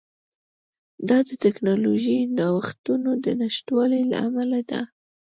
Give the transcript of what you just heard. دا د ټکنالوژیکي نوښتونو د نشتوالي له امله ده